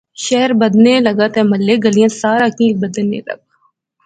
شہر بدھنے لغا تہ محلے گلیاں سارا کی وی بدھنے لغا